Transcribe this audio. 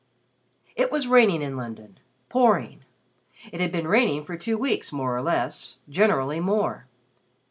It was raining in London pouring. It had been raining for two weeks, more or less, generally more.